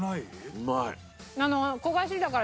うまい。